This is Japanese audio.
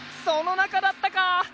そのなかだったか！